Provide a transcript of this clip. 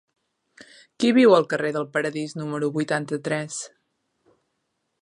Qui viu al carrer del Paradís número vuitanta-tres?